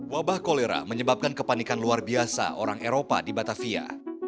wabah kolera menyebabkan kepanikan luar biasa orang eropa di batavia